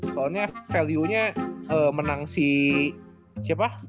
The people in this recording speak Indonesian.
soalnya value nya menang si siapa